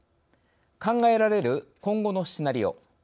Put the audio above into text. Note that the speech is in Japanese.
考えられる今後のシナリオ。